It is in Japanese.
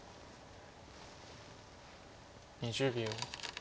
２０秒。